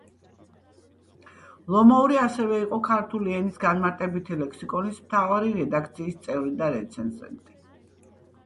ლომოური ასევე იყო „ქართული ენის განმარტებითი ლექსიკონის“ მთავარი რედაქციის წევრი და რეცენზენტი.